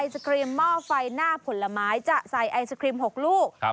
สกรีมหม้อไฟหน้าผลไม้จะใส่ไอศครีม๖ลูก